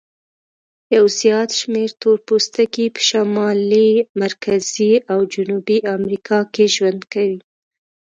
یو زیات شمیر تور پوستکي په شمالي، مرکزي او جنوبي امریکا کې ژوند کوي.